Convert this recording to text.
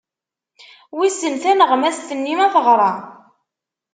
Wissen taneɣmast-nni ma teɣra?